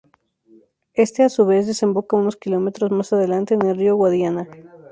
Éste, a su vez, desemboca unos kilómetros más adelante en el río Guadiana.